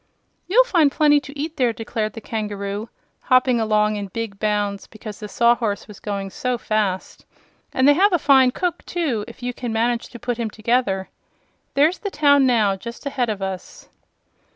"You'll find plenty to eat there," declared the kangaroo, hopping along in big bounds because the Sawhorse was going so fast; "and they have a fine cook, too, if you can manage to put him together. There's the town now just ahead of us!"